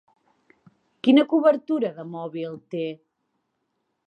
Quina cobertura de mòbil té?